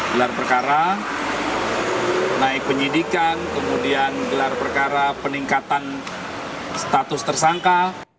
gelar perkara naik penyidikan kemudian gelar perkara peningkatan status tersangka